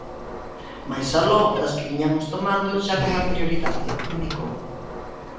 "Máis aló das que viñamos tomando xa con anterioridade", indicou.